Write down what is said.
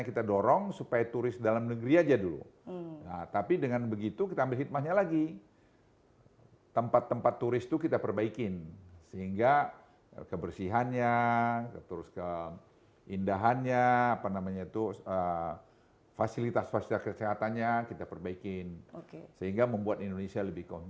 kemudian para wisata bagaimana kita kasih